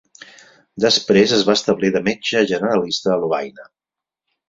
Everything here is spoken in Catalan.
Després es va establir de metge generalista a Lovaina.